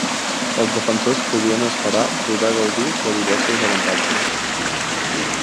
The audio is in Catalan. Els defensors podien esperar poder gaudir de diversos avantatges.